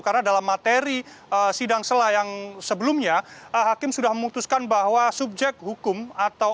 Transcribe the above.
karena dalam materi sidang selah yang sebelumnya hakim sudah memutuskan bahwa subjek hukum atau